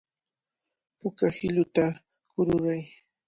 Puka hiluta kururay.